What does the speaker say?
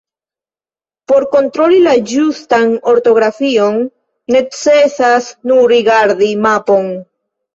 Por kontroli la ĝustan ortografion necesas nur rigardi mapon...